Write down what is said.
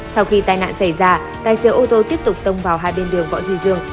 sau khi tai nạn xảy ra tài xế ô tô tiếp tục tông vào hai bên đường võ duy dương